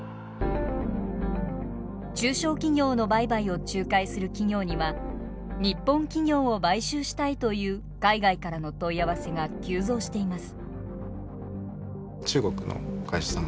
中小企業の売買を仲介する企業には日本企業を買収したいという海外からの問い合わせが急増しています。